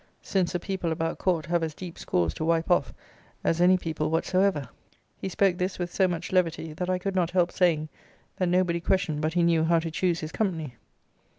Since the people about court have as deep scores to wipe off, as any people whatsoever. He spoke this with so much levity, that I could not help saying, that nobody questioned but he knew how to choose his company.